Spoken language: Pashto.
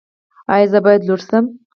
ایا زه باید لور شم؟